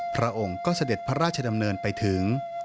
พระองค์ก็เสด็จพระราชดำเนินไปถึง